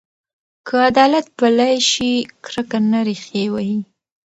که عدالت پلی شي، کرکه نه ریښې وهي.